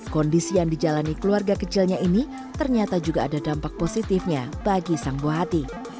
kondisi yang dijalani keluarga kecilnya ini ternyata juga ada dampak positifnya bagi sang buah hati